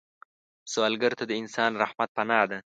سوالګر ته د انسان رحمت پناه ده